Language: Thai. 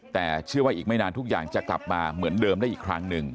แต่เชื่อว่าอีกไม่นานทุกอย่างจะกลับมาเหมือนเดิมได้อีกครั้งหนึ่ง